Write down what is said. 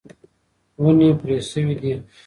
ونې پرې شوې دي.